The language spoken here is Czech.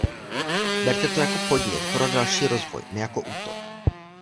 Berte to jako podnět pro další rozvoj, ne jako útok.